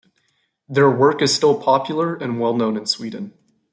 Their work is still popular and well known in Sweden.